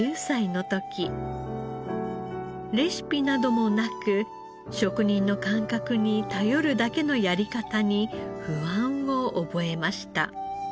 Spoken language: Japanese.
レシピなどもなく職人の感覚に頼るだけのやり方に不安を覚えました。